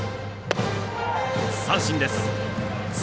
三振です。